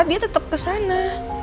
dia tetep kesana